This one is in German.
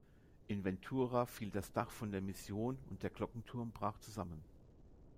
In Ventura fiel das Dach von der Mission und der Glockenturm brach zusammen.